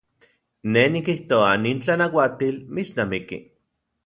Ne nikijtoa nin tlanauatil mitsnamiki.